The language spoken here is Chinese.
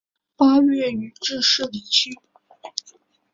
八月予致仕离去。